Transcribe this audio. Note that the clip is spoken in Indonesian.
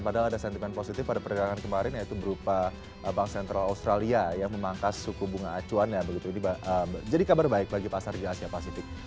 padahal ada sentimen positif pada perdagangan kemarin yaitu berupa bank sentral australia yang memangkas suku bunga acuannya jadi kabar baik bagi pasar di asia pasifik